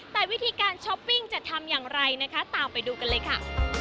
แต่วิธีการช้อปปิ้งจะทำอย่างไรนะคะตามไปดูกันเลยค่ะ